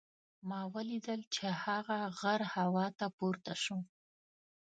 ما ولیدل چې هغه غر هوا ته پورته شو.